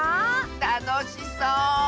たのしそう！